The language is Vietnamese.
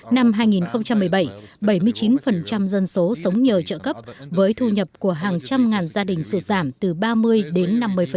năm hai nghìn một mươi bảy bảy mươi chín dân số sống nhờ trợ cấp với thu nhập của hàng trăm ngàn gia đình sụt giảm từ ba mươi đến năm mươi